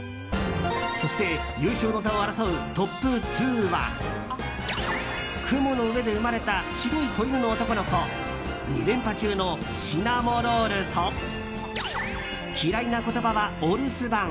そして、優勝の座を争うトップ２は雲の上で生まれた白い子犬の男の子２連覇中のシナモロールと嫌いな言葉はお留守番。